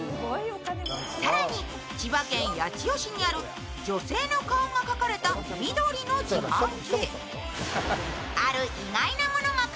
更に、千葉県八千代市にある女性の顔が描かれた緑の自販機。